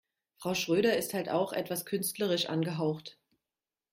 Frau Schröder ist halt etwas künstlerisch angehaucht.